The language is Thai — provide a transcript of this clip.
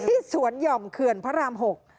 ที่สวนหย่อมเขื่อนพระราม๖